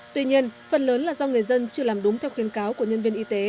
tuy nhiên phần lớn là do người dân chưa làm đúng theo khuyên cáo của nhân viên y tế